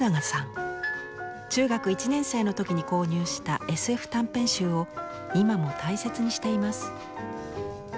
中学１年生の時に購入したＳＦ短編集を今も大切にしています。